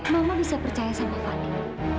mama bisa percaya sama fani